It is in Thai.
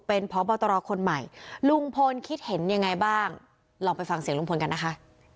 เป็นพบตรคนใหม่ลุงพลคิดเห็นยังไงบ้างลองไปฟังเสียงลุงพลกันนะคะ